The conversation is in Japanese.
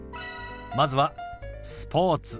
まずは「スポーツ」。